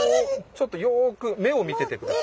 ちょっとよく目を見ててください。